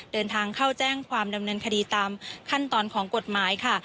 เดินทางเข้าแจ้งความดำเนินคดีตามขั้นตอนของกฎหมายค่ะ